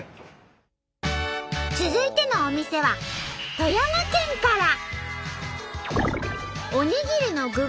続いてのお店は富山県から。